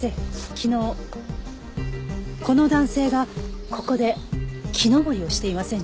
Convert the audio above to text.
昨日この男性がここで木登りをしていませんでしたか？